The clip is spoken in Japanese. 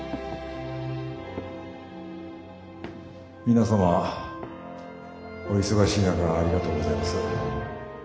皆様お忙しい中ありがとうございます。